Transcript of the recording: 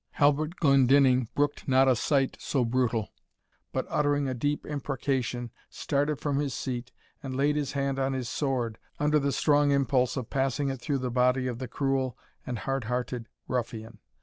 Halbert Glendinning brooked not a sight so brutal, but, uttering a deep imprecation, started from his seat, and laid his hand on his sword, under the strong impulse of passing it through the body of the cruel and hard hearted ruffian.